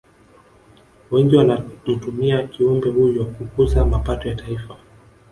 Wengi wanamtumia kiumbe huyo kukuza mapato ya taifa